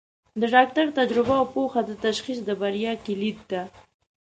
د ډاکټر تجربه او پوهه د تشخیص د بریا کلید ده.